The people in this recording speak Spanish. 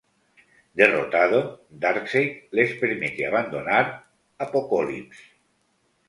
Derrotado, Darkseid les permite abandonar Apokolips.